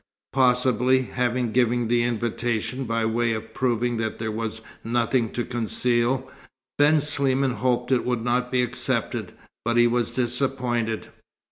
Possibly, having given the invitation by way of proving that there was nothing to conceal, Ben Sliman hoped it would not be accepted; but he was disappointed.